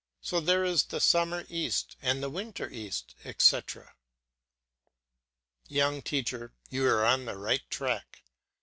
So there is the summer east and the winter east, etc." Young teacher, you are on the right track.